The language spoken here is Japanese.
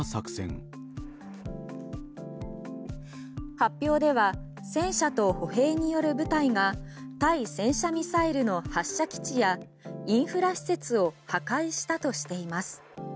発表では戦車と歩兵による部隊が対戦車ミサイルの発射基地やインフラ施設を破壊したとしています。